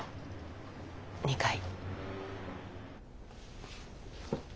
２階。